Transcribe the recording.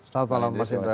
selamat malam mas indra